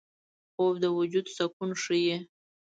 خوب د وجود سکون ښيي